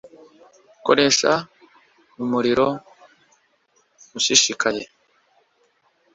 koresha umuriro ushishikaye